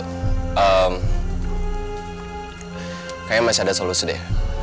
kayaknya masih ada solusi deh